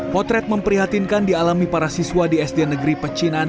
potret memprihatinkan dialami para siswa di sd negeri pecinan